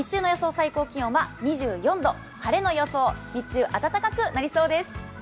最高気温は２４度、日中暖かくなりそうです。